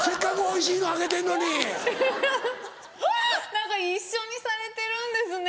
何か一緒にされてるんですね